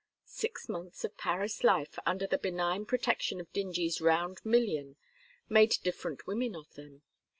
Six months of Paris life under the benign protection of Dingee's round million made different women of them.